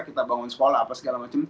kita bangun sekolah apa segala macam